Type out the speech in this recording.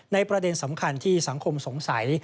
ประเด็นสำคัญที่สังคมสงสัย